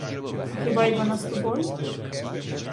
А хіба й вона з тобою?